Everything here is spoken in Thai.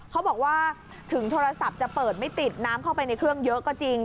เขาบอกว่าถึงโทรศัพท์จะเปิดไม่ติดน้ำเข้าไปในเครื่องเยอะก็จริง